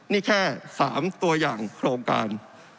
นี่แค่๓ตัวอย่างโครงการ